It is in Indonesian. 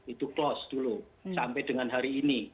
itu close dulu sampai dengan hari ini